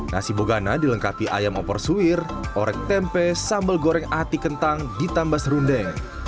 nasi bogana dilengkapi ayam opor suir orek tempe sambal goreng ati kentang ditambah serundeng